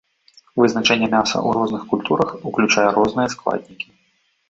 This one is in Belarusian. Вызначэнне мяса ў розных культурах уключае розныя складнікі.